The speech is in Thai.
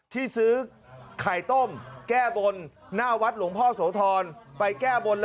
ที่ซื้อไข่ต้มแก้บนหน้าวัดหลวงพ่อโสธรไปแก้บน